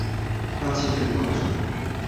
大器可以晚成